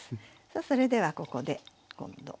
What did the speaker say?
さあそれではここで今度。